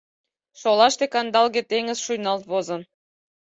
Шолаште кандалге теҥыз шуйналт возын.